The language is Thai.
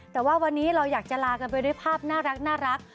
แต่ว่าวันนี้เราอยากจะลากันไปด้วยภาพน่ารัก